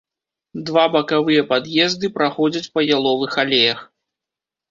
Два бакавыя пад'езды праходзяць па яловых алеях.